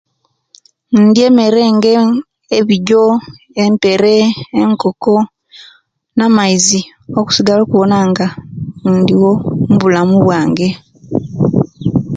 Ndya emere nga ebijo, empere, enkoko na maizi okusigala okuwona nga ndiwo mubulamu wange